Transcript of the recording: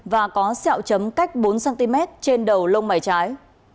và có xẹo chấm cách bốn cm trên đầu lông mày trái